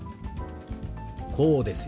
こうですよ。